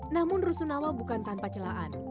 namun rusunawa bukan tanpa celaan